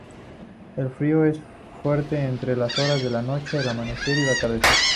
El frío es fuerte entre las horas de la noche, el amanecer y atardecer.